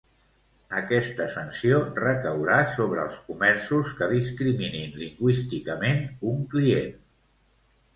Aquesta sanció recaurà sobre els comerços que discriminin lingüísticament un client.